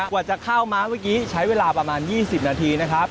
กว่าจะเข้ามาเมื่อกี้ใช้เวลาประมาณ๒๐นาทีนะครับ